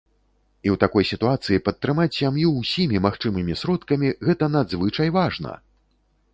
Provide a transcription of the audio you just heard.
І ў такой сітуацыі падтрымаць сям'ю ўсімі магчымымі сродкамі, гэта надзвычай важна!